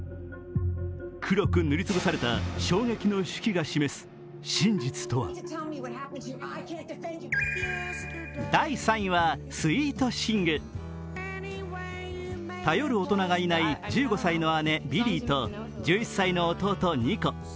黒く塗り潰された衝撃の手記が示す真実とは頼る大人がいない１５歳の姉・ビリーと１１歳の弟・ニコ。